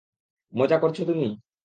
মজা করছো তুমি?